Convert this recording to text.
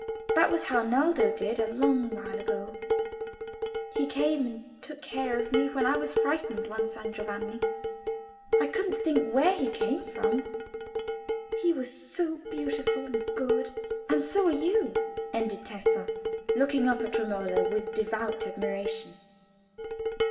That was how Naldo did a long while ago; he came and took care of me when I was frightened, one San Giovanni. I couldn't think where he came from—he was so beautiful and good. And so are you," ended Tessa, looking up at Romola with devout admiration.